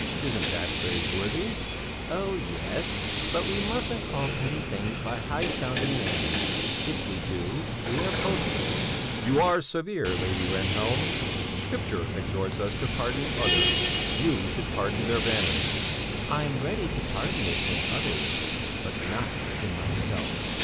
Isn't that praiseworthy?" "Oh, yes! But we mustn't call petty things by high sounding names. If we do, we are boastful!" "You are very severe, Lady Rehnhjelm! Scripture exhorts us to pardon others; you should pardon their vanity." "I'm ready to pardon it in others but not in myself.